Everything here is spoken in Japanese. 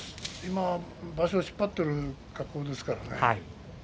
今、場所を引っ張っている格好ですからね